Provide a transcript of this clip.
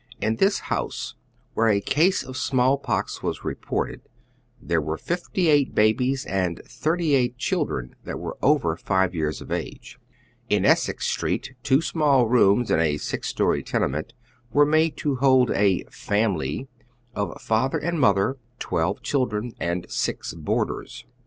In this house, where a ease of small pox was reported, there were fifty eight babies and thirty eight children that were over five years of age. In Essex Street two small moms in a six story tenement were made to hold a " family " of father and motlier, twelve children and six boarders.